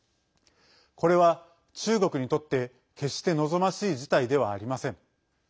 これは中国にとって、決して望ましい事態ではありません。